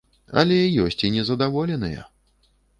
Але ёсць і незадаволеныя.